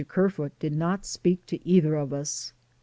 Kerfoot did not speak to either of us.